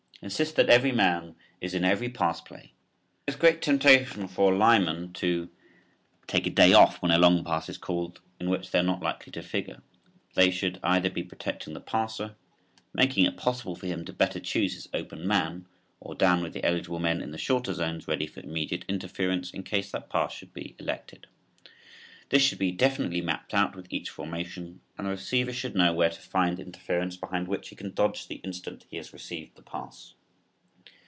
Insist that every man is in every pass play. There is great temptation for linemen to "take a day off" when a long pass is called in which they are not likely to figure. But they should either be protecting the passer, making it possible for him to better choose his open man, or down with the eligible men in the shorter zones ready for immediate interference in case that pass should be elected. This should be definitely mapped out with each formation and the receiver should know where to find interference behind which he can dodge the instant he has received the pass.